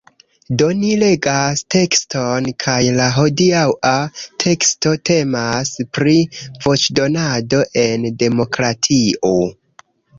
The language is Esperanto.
Do, ni legas tekston kaj la hodiaŭa teksto temas pri voĉdonado en demokratio